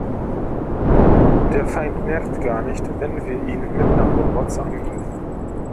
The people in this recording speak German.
Der Feind merkt gar nicht, wenn wir ihn mit Nanobots angreifen.